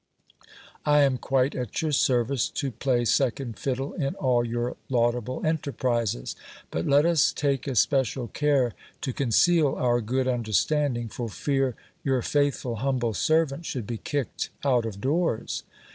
I am quite at your serv ice to play second fiddle in all your laudable enterprises ; but let us take espe cial care to conceal our good understanding, for fear your faithful, humble servant should be kicked out of doors.